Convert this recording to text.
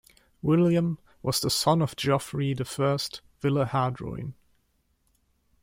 William was the son of Geoffrey I Villehardouin.